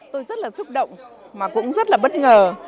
tôi rất là xúc động mà cũng rất là bất ngờ